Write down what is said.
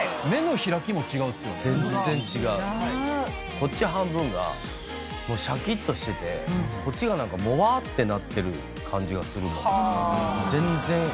こっち半分がシャキッとしててこっちがなんかモワッてなってる感じがするの。